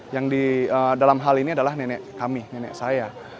yang di dalam hal ini adalah nenek kami nenek saya